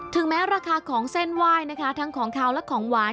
แม้ราคาของเส้นไหว้นะคะทั้งของขาวและของหวาน